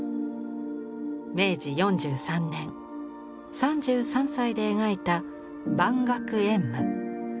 明治４３年３３歳で描いた「万壑烟霧」。